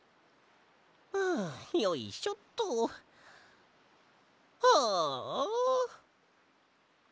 はあよいしょっと。はああ。